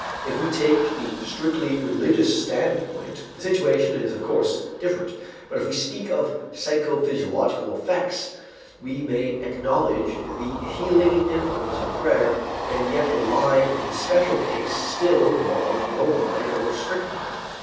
If we take the strictly religious standpoint the situation is of course different, but if we speak of psychophysiological effects, we may acknowledge the healing influence of prayer and yet rely in the special case still more on bromide or strychnine.